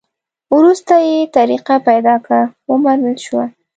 وروسته یې طریقه پیدا کړه؛ ومنل شوه.